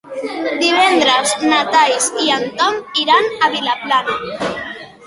Divendres na Thaís i en Tom iran a Vilaplana.